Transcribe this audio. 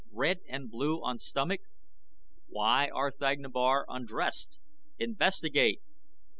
RED AND BLUE ON STOMACH? WHY R'THAGNA BAR UNDRESSED? INVESTIGATE!